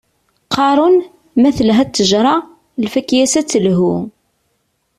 Qqaren, ma telha ṭṭejṛa, lfakya-s ad telhu.